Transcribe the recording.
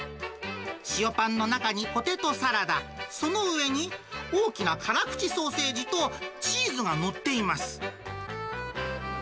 塩パンの中にポテトサラダ、その上に大きな辛口ソーセージとチーズが載っています。